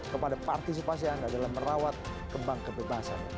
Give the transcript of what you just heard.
kepada partisipasi anda dalam merawat kembang kebebasan